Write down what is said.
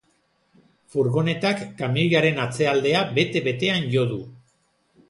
Furgonetak kamioiaren atzealdea bete-betean jo du.